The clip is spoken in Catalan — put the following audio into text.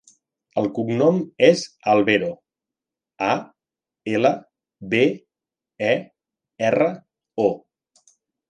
El cognom és Albero: a, ela, be, e, erra, o.